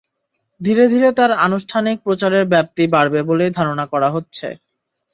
ধীরে ধীরে তাঁর আনুষ্ঠানিক প্রচারের ব্যাপ্তি বাড়বে বলেই ধারণা করা হচ্ছে।